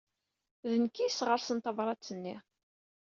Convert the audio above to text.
D nekk ay yesɣersen tabṛat-nni.